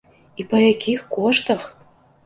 І па якіх коштах!